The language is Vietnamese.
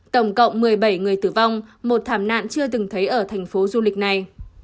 tổng cộng một mươi bảy người tử vong một thảm nạn chưa từng thấy ở thành phố du lịch này